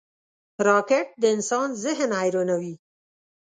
راکټ د انسان ذهن حیرانوي